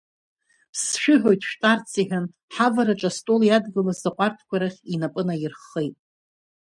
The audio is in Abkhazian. Сшәыҳәоит шәтәарц, — иҳәан, ҳавараҿы астол иадгылаз аҟәардәқәа рахь инапы наирххеит.